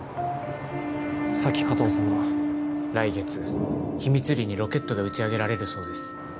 さっき加藤さんが来月秘密裏にロケットが打ち上げられるそうです